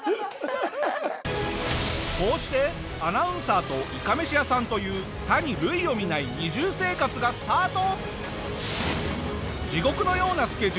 こうしてアナウンサーといかめし屋さんという他に類を見ない二重生活がスタート。